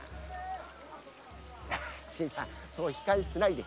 新さんそう悲観しないで。